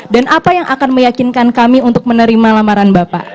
dan apa yang akan meyakinkan kami untuk menerima lamaran bapak